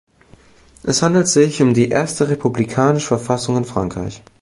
Es handelt sich um die erste republikanische Verfassung in Frankreich.